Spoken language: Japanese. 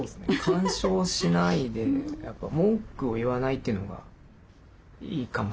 干渉しないでやっぱり文句を言わないというのがいいかもしれないです。